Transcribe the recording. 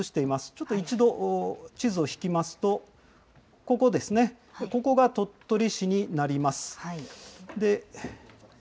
ちょっと一度、地図を引きますと、ここですね、ここが鳥取市になります。